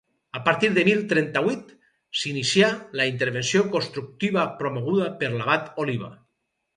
A partir de mil trenta-vuit, s'inicià la intervenció constructiva promoguda per l'abat Oliba.